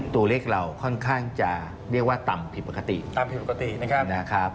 ตัวเลขเราค่อนข้างจะเรียกว่าต่ำผิดปกติต่ำผิดปกตินะครับ